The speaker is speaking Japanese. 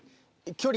距離？